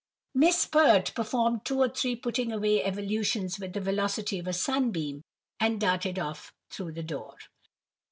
Miss Pert performed two or three putting away evolutions with the velocity of a sunbeam, and darted off through the door.